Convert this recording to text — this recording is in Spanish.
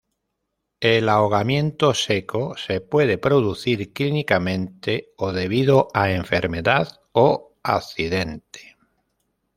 El ahogamiento seco se puede producir clínicamente, o debido a enfermedad o accidente.